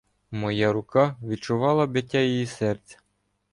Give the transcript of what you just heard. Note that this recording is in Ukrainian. Моя рука відчувала биття її серця.